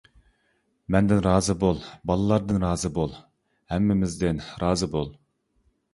مەندىن رازى بول، باللاردىن رازى بول، ھەممىمىزدىن رازى بول.